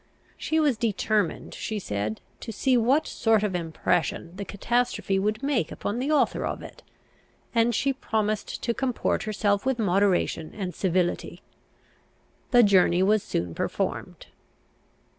She was determined, she said, to see what sort of impression the catastrophe would make upon the author of it; and she promised to comport herself with moderation and civility. The journey was soon performed.